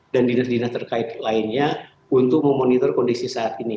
dinas dinas terkait lainnya untuk memonitor kondisi saat ini